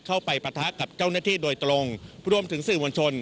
ปะทะกับเจ้าหน้าที่โดยตรงรวมถึงสื่อมวลชน